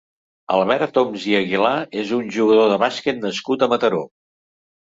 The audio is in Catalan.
Albert Homs i Aguilar és un jugador de bàsquet nascut a Mataró.